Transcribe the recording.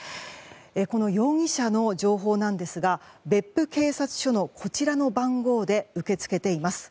この容疑者の情報なんですが別府警察署の、こちらの番号で受け付けています。